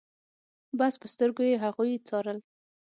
بس په سترګو يې هغوی څارل.